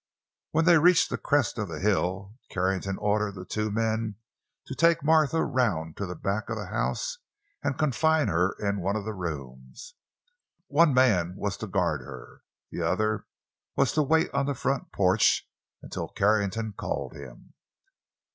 When they reached the crest of the hill, Carrington ordered the two men to take Martha around to the back of the house and confine her in one of the rooms. One man was to guard her. The other was to wait on the front porch until Carrington called him.